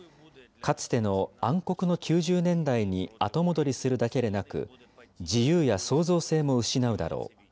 かつての暗黒の９０年代に後戻りするだけでなく、自由や創造性も失うだろう。